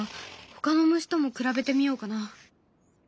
ほかの虫とも比べてみようかな。